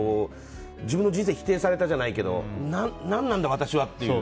自分の人生を否定されたじゃないけど何なんだ、私はという。